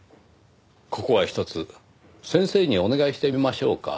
ここはひとつ先生にお願いしてみましょうか。